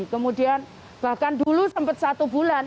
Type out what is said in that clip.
kemudian bahkan dulu sempat satu bulan